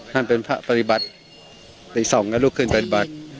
ท่านเป็นพระปฏิบัติส่องแล้วลูกขึ้นปฏิบัติ